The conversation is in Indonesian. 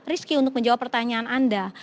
saya riski untuk menjawab pertanyaan anda